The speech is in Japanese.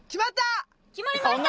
決まりました！